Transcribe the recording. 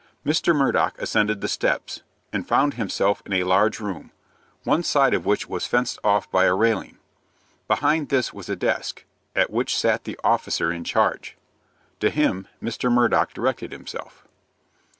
Mr. Murdock ascended the steps, and found himself in a large room, one side of which was fenced off by a railing. Behind this was a desk, at which sat the officer in charge. To him, Mr. Murdock directed himself.